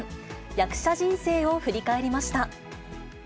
役者人生を振り返りました。